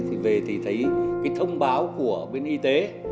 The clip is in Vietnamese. thì về thì thấy cái thông báo của bên y tế